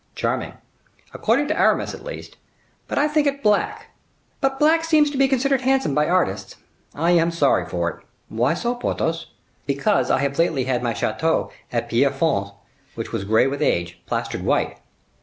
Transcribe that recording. "Charming, according to Aramis, at least; but I think it black; but black seems to be considered handsome by artists: I am sorry for it." "Why so, Porthos?" "Because I have lately had my chateau of Pierrefonds, which was gray with age, plastered white."